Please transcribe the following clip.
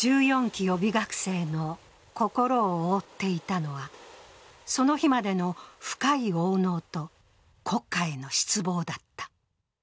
１４期予備学生の心を覆っていたのは、その日までの深いおう悩と国家への失望だった。